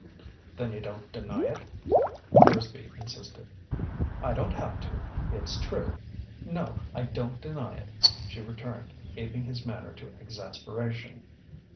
"Then you don't deny it?" Thursby insisted. "I don't have to. It's true. No, I don't deny it," she returned, aping his manner to exasperation.